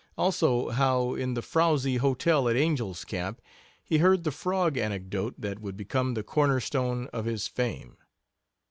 Also how, in the frowsy hotel at Angel's Camp, he heard the frog anecdote that would become the corner stone of his fame.